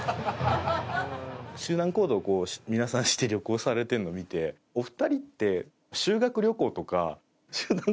集団行動を皆さんして旅行されてるのを見てホンマやな。